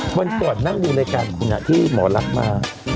กว่าวันก่อนนั่งดูรายการคุณที่หมอรับมา